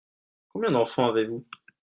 Combien d'enfants avez-vous ?